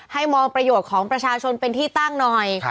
ให้มองประโยชน์ของประชาชนเป็นที่ตั้งหน่อย